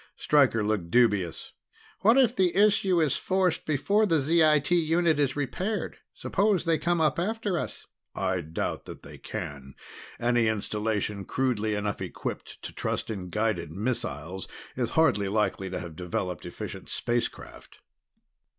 Stryker looked dubious. "What if the issue is forced before the ZIT unit is repaired? Suppose they come up after us?" "I doubt that they can. Any installation crudely enough equipped to trust in guided missiles is hardly likely to have developed efficient space craft."